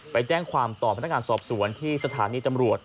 ไปแจ้งความต่อพนักงานสอบสวนที่สถานีตำรวจ